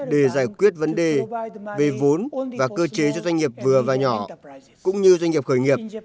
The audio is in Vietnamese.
để giải quyết vấn đề về vốn và cơ chế cho doanh nghiệp vừa và nhỏ cũng như doanh nghiệp khởi nghiệp